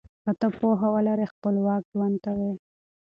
که ته پوهه ولرې خپلواک ژوند کوې.